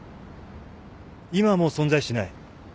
今はもう存在しない。